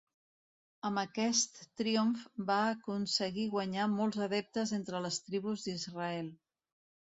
Amb aquest triomf, va aconseguir guanyar molts adeptes entre les tribus d'Israel.